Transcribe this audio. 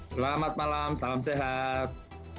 selamat malam salam sehat